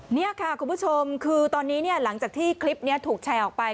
นี่ค่ะคุณผู้ชมคือตอนนี้หลังจากที่คลิปนี้ถูกแชร์ออกไป